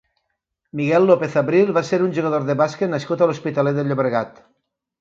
Miguel López Abril va ser un jugador de bàsquet nascut a l'Hospitalet de Llobregat.